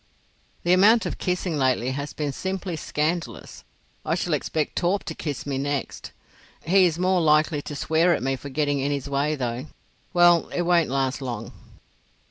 "The amount of kissing lately has been simply scandalous. I shall expect Torp to kiss me next. He is more likely to swear at me for getting in his way, though. Well, it won't last long.